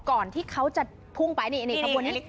ก่อนที่เขาจะพุ่งไปนี่ขบวนนี้